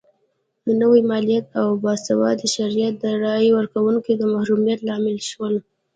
نوي مالیات او د باسوادۍ شرط د رایې ورکونکو د محرومیت لامل شول.